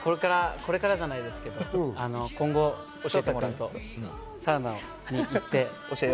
これからじゃないですけれども、今後、ＳＨＯＴＡ君とサウナに行って。